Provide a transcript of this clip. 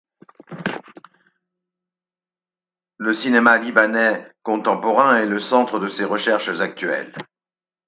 Le cinéma libanais contemporain est le centre de ses recherches actuelles.